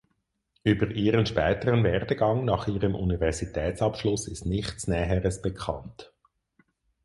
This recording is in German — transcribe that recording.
Über ihren späteren Werdegang nach ihrem Universitätsabschluss ist nichts Näheres bekannt.